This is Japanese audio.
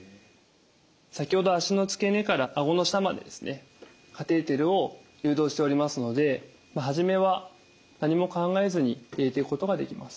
先ほど脚の付け根からあごの下までですねカテーテルを誘導しておりますので初めは何も考えずに入れていくことができます。